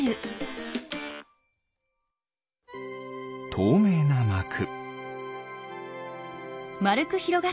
とうめいなまく。